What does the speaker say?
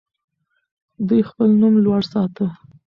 دوی خپل نوم لوړ ساته.